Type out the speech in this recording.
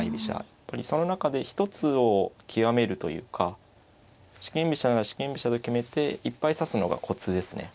やっぱりその中で一つを極めるというか四間飛車なら四間飛車と決めていっぱい指すのがコツですね。